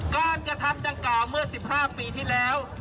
กระทำดังกล่าวเมื่อ๑๕ปีที่แล้ว